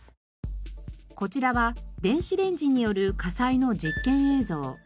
こちらは電子レンジによる火災の実験映像。